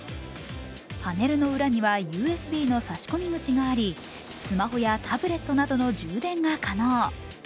パネルの裏にはＵＳＢの差し込み口があり、スマホやタブレットなどの充電が可能。